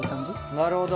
なるほど。